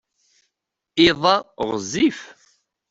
Iḍ-a ɣezzif.